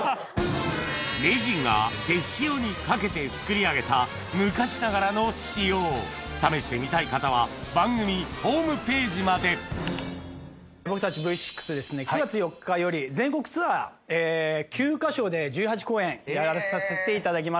名人が手塩にかけて作り上げた昔ながらの塩を試してみたい方は番組ホームページまで僕たちＶ６ですね９月４日より全国ツアー９か所で１８公演やらさせていただきます。